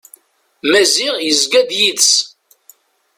Maziɣ yezga d yid-s.